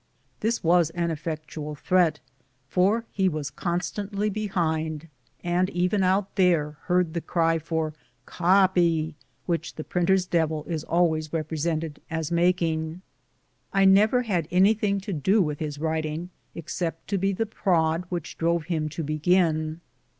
This was an effectual threat, for he was constantly behind, and even out there beard the cry for '' copy " which the printer's devil is always represented as making. I never had anything to do with his writing, except to be the prod which drove him to begin.